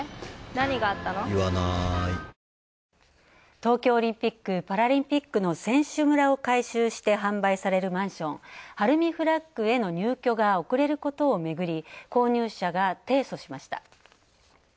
東京オリンピック・パラリンピックの選手村を改修して販売されるマンション晴海フラッグへの入居が遅れることをめぐり購入者が提訴しました。